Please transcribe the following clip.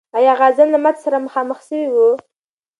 آیا غازیان له ماتي سره مخامخ سوي و؟